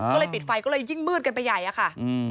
ก็เลยปิดไฟก็เลยยิ่งมืดกันไปใหญ่อะค่ะ